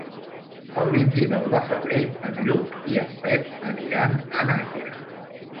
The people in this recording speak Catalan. El vint-i-nou de febrer en Lluc i en Pep aniran a Nàquera.